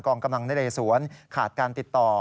กำลังนเรสวนขาดการติดต่อ